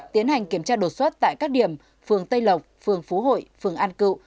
tiến hành kiểm tra đột xuất tại các điểm phường tây lộc phường phú hội phường an cựu